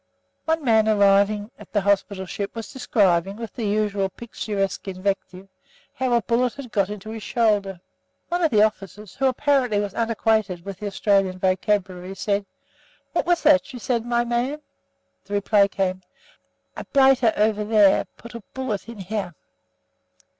One man arriving at the hospital ship was describing, with the usual picturesque invective, how the bullet had got into his shoulder. One of the officers, who apparently was unacquainted with the Australian vocabulary, said: "What was that you said, my man?" The reply came, "A blightah ovah theah put a bullet in heah."